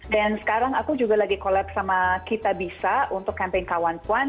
dan sekarang aku juga lagi collab sama kitabisa untuk campaign kawanpuan